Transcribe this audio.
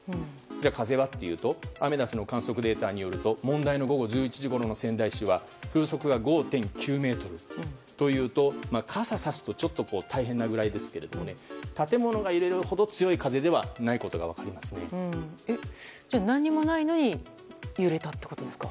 じゃあ風はというとアメダスの観測データによると問題による午後１１時ごろの仙台市は風速は５．９メートル。というと傘さすとちょっと大変なぐらいですけど建物が揺れるほど強い風ではないことがじゃあ何もないのに揺れたってことですか。